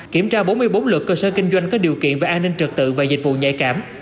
kiểm tra bốn mươi bốn lượt cơ sở kinh doanh có điều kiện về an ninh trực tự và dịch vụ nhạy cảm